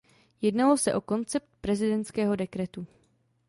Jednalo se o koncept prezidentského dekretu.